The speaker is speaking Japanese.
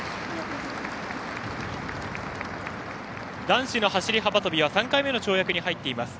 男子の走り幅跳びは３回目の跳躍に入っています。